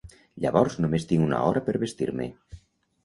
Llavors només tinc una hora per vestir-me.